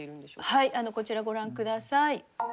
はいこちらご覧ください。